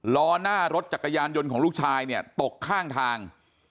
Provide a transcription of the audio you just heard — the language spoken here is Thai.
ล้อหน้ารถจักรยานยนต์ของลูกชายเนี่ยตกข้างทาง